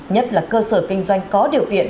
nhất là cơ sở kinh doanh có điều kiện